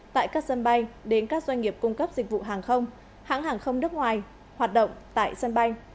tại các sân bay đến các doanh nghiệp cung cấp dịch vụ hàng không hãng hàng không nước ngoài hoạt động tại sân bay